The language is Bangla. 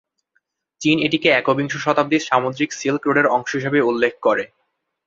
চীন এটিকে একবিংশ শতাব্দীর সামুদ্রিক সিল্ক রোডের অংশ হিসাবে উল্লেখ করে।